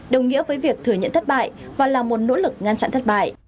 đồng nghĩa với việc thừa nhận thất bại và là một nỗ lực ngăn chặn thất bại